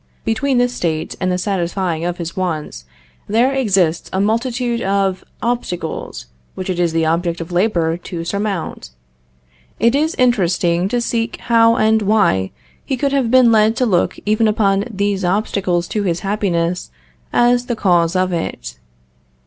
Between this state and the satisfying of his wants, there exists a multitude of obstacles which it is the object of labor to surmount. It is interesting to seek how and why he could have been led to look even upon these obstacles to his happiness as the cause of it.